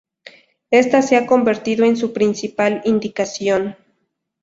Ésta se ha convertido en su principal indicación.